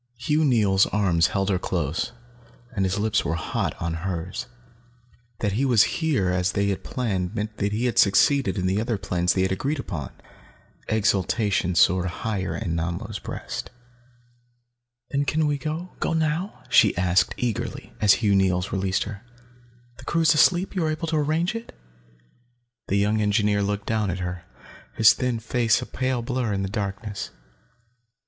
Hugh Neils' arms held her close, and his lips were hot on hers. That he was here as they had planned meant that he had succeeded in the other plans they had agreed upon. Exultation soared higher in Nanlo's breast. "Then we can go? Go now?" she asked eagerly, as Hugh Neils released her. "The crew is asleep? You were able to arrange it?" The young engineer looked down at her, his thin face a pale blur in the darkness.